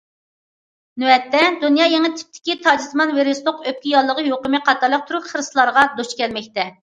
نۆۋەتتە، دۇنيا يېڭى تىپتىكى تاجسىمان ۋىرۇسلۇق ئۆپكە ياللۇغى يۇقۇمى قاتارلىق تۈرلۈك خىرىسلارغا دۇچ كەلمەكتە.